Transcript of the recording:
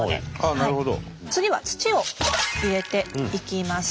次は土を入れていきます。